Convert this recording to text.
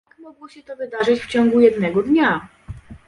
Jak mogło się to wydarzyć w ciągu jednego dnia?